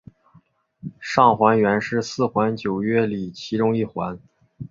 上环原是四环九约里其中一环。